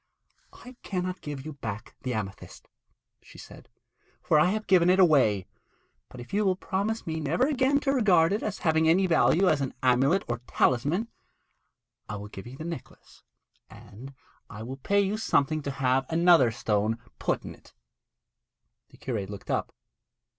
'I cannot give you back the amethyst,' she said, 'for I have given it away; but if you will promise me never again to regard it as having any value as an amulet or talisman, I will give you the necklace, and I will pay you something to have another stone put in.' The curate looked up.